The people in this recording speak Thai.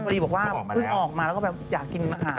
เดี๋ยวออกมาแล้วก็แบบอยากกินทางออกมา